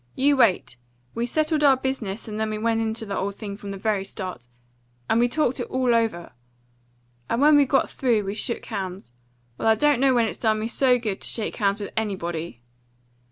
"You wait. We settled our business, and then we went into the old thing, from the very start. And we talked it all over. And when we got through we shook hands. Well, I don't know when it's done me so much good to shake hands with anybody."